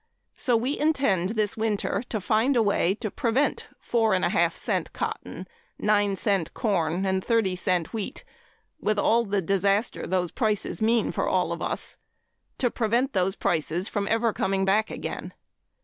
So we intend this winter to find a way to prevent four and a half cent cotton, nine cent corn and thirty cent wheat with all the disaster those prices mean for all of us to prevent those prices from ever coming back again.